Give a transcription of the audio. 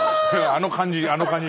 あの感じあの感じ。